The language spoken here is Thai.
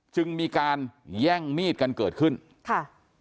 จึงมีการแย่งมีดกันเกิดขึ้นค่ะ